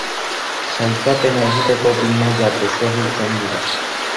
Sailkapena egiteko bi maila desberdintzen dira.